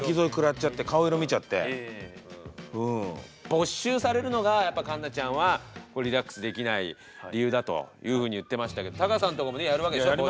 没収されるのがやっぱりかんなちゃんはリラックスできない理由だというふうに言ってましたけどタカさんとこもねやるわけでしょ没収。